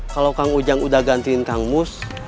kalau kang ujang udah gantiin kang mus